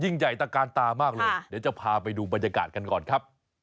ใหญ่ตะกานตามากเลยเดี๋ยวจะพาไปดูบรรยากาศกันก่อนครับ